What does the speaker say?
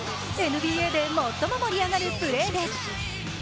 ＮＢＡで最も盛り上がるプレーです。